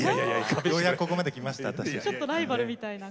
ようやくここまできました私たち。